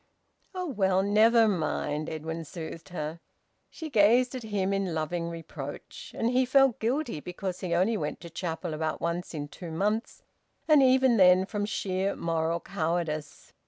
"Oh well! Never mind!" Edwin soothed her. She gazed at him in loving reproach. And he felt guilty because he only went to chapel about once in two months, and even then from sheer moral cowardice.